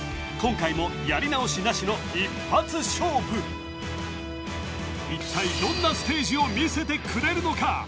今回もやり直しなしの一発勝負一体どんなステージを見せてくれるのか？